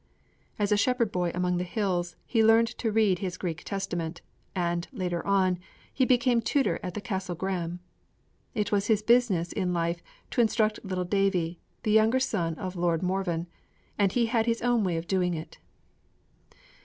As a shepherd boy among the hills he learned to read his Greek Testament; and, later on, he became tutor at the Castle Graham. It was his business in life to instruct little Davie, the younger son of Lord Morven; and he had his own way of doing it.